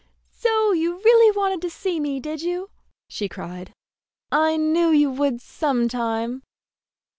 "So you really wanted to see me, did you?" she cried. "I knew you would some time."